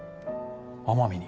奄美に？